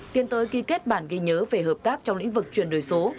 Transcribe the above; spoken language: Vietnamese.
tiến tới ký kết bản ghi nhớ về hợp tác trong lĩnh vực chuyển đổi số